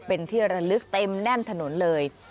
เป็นที่ระลึกเต็มแน่นถนนเลย